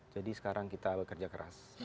jadi sekarang kita bekerja keras